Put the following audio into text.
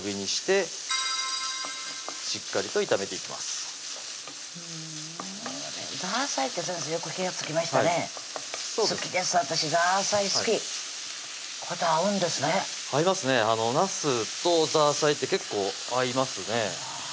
なすとザーサイって結構合いますね